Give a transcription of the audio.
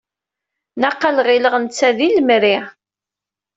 Naqal ɣileɣ netta d ilemri.